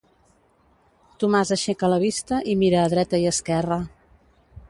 Tomàs aixeca la vista i mira a dreta i esquerra.